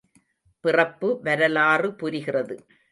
பிறப்பு வரலாறு புரிகிறது!